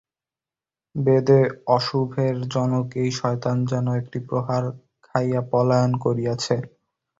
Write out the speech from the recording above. বেদে অশুভের জনক এই শয়তান যেন একটি প্রহার খাইয়া পলায়ন করিয়াছে।